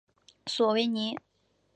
索维尼。